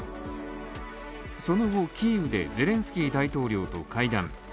その後、キーウでゼレンスキー大統領と会談。